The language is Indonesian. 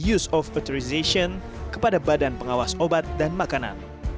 u seats of fertilization kepada badan pengawas obat dan makanan